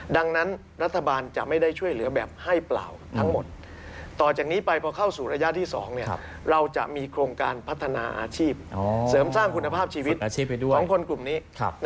ดังนั้นรัฐบาลจะไม่ได้ช่วยเหลือแบบให้เปล่าทั้งหมดต่อจากนี้ไปพอเข้าสู่ระยะที่๒เราจะมีโครงการพัฒนาอาชีพเสริมสร้างคุณภาพชีวิตของคนกลุ่มนี้